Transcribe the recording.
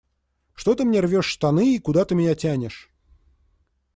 Что ты мне рвешь штаны и куда ты меня тянешь?